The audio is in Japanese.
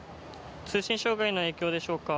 通信障害の影響でしょうか。